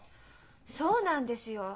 そうなんですよ！